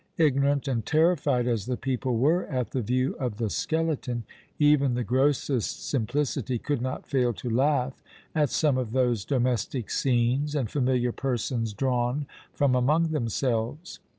Ignorant and terrified as the people were at the view of the skeleton, even the grossest simplicity could not fail to laugh at some of those domestic scenes and familiar persons drawn from among themselves.